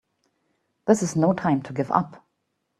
This is no time to give up!